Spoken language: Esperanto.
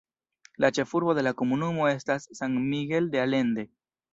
La ĉefurbo de la komunumo estas San Miguel de Allende.